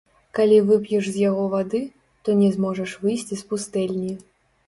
Калі вып'еш з яго вады, то не зможаш выйсці з пустэльні.